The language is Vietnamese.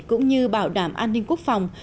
cũng như bảo đảm an ninh quốc phòng